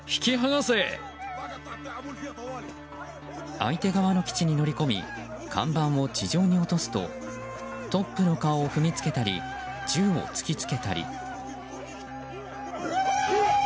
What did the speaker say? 相手側の基地に乗り込み看板を地上に落とすとトップの顔を踏みつけたり銃を突き付けたり。